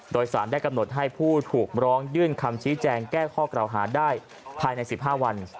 โดยสารได้กำหนดให้ผู้ถูกร้องยื่นคำชี้แจงแก้ข้อกล่าวหาได้ภายใน๑๕วัน